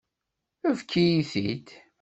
Efk-iyi-t-id.